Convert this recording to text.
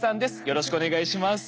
よろしくお願いします。